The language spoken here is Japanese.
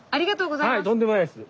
はいとんでもないです。